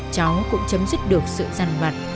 cháu cũng chấm dứt được sự gian mặt